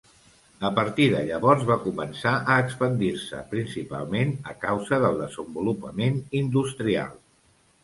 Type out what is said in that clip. A partir de llavors va començar a expandir-se, principalment a causa del desenvolupament industrial.